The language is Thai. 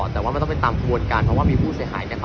แต่ว่ามันต้องไปตามขบวนการเพราะว่ามีผู้เสียหายนะครับ